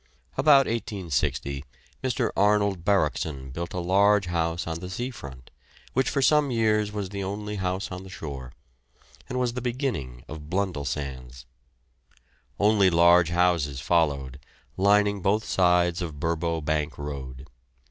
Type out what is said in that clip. About 1860 Mr. Arnold Baruchson built a large house on the sea front, which for some years was the only house on the shore, and was the beginning of Blundellsands. Other large houses followed, lining both sides of Burbo Bank Road.